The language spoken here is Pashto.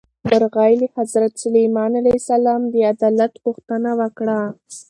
مرغۍ له حضرت سلیمان علیه السلام د عدالت غوښتنه وکړه.